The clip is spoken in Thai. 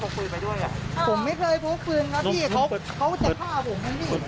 ทำไมต้องพกพื้นไปด้วยอ่ะผมไม่เคยพกพื้นครับพี่เขาจะฆ่าผมมานี่